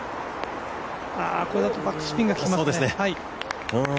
これだとバックスピンがきいてますね。